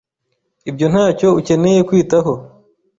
Ibyo ntacyo ukeneye kwitaho.